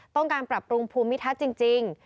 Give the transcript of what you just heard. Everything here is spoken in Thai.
ต้องการปรับปรุงภูมิทัศน์จริง